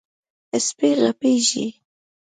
سپي غپېږي.